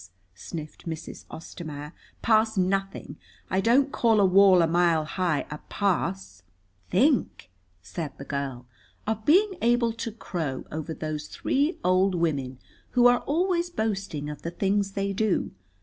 sniffed Mrs. Ostermaier. "Pass nothing! I don't call a wall a mile high a pass." "Think," said the girl, "of being able to crow over those three old women who are always boasting of the things they do.